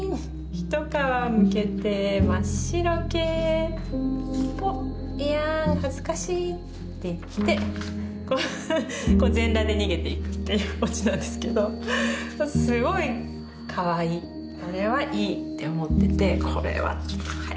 ひとかわむけてまっしろけーぽっいやーんはずかしい」って言ってこう全裸で逃げていくっていうオチなんですけどすごいかわいいこれはいいって思ってて「これは早く出したいですねえ」